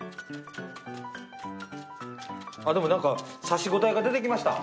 でも何か刺し応えが出てきました。